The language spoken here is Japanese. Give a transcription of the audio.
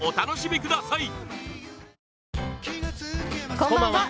こんばんは。